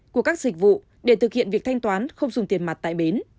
của các dịch vụ để thực hiện việc thanh toán không dùng tiền mặt tại bến